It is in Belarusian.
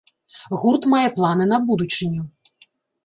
Гурт мае планы на будучыню.